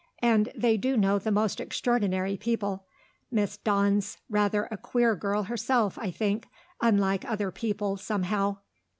And they do know the most extraordinary people. Miss Dawn's rather a queer girl herself, I think; unlike other people, somehow.